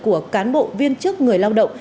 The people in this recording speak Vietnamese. của cán bộ viên chức người lao động